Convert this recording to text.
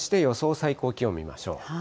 最高気温見ましょう。